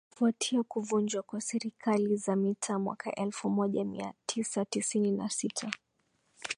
kufuatia kuvunjwa kwa Serikali za Mitaa mwaka elfu moja mia tisa tisini na sita